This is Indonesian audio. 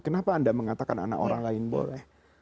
kenapa anda mengatakan anak orang lain boleh